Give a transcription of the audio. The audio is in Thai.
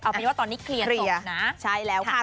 เอาเป็นว่าตอนนี้เคลียร์จบนะใช่แล้วค่ะ